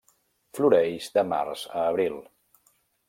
Floreix de març a abril.